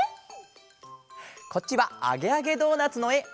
こっちは「あげあげドーナツ」のえ！